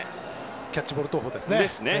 キャッチボール投法です。